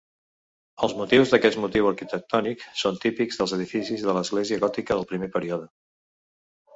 Els motius d'aquest motiu arquitectònic són típics dels edificis de l'església gòtica del primer període.